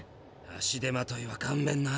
足手まといはかんべんな。